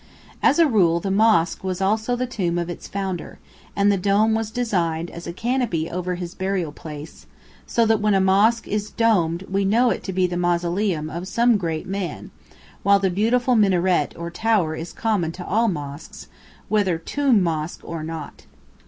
As a rule the mosque was also the tomb of its founder, and the dome was designed as a canopy over his burial place, so that when a mosque is domed we know it to be the mausoleum of some great man, while the beautiful minaret or tower is common to all mosques, whether tomb mosque or not.